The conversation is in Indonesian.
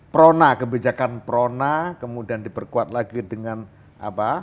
prona kebijakan prona kemudian diperkuat lagi dengan apa